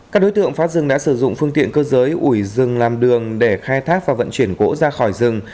các đối tượng phá rừng đã sử dụng phương tiện cơ giới ủi rừng làm đường để khai thác và vận chuyển gỗ ra khỏi rừng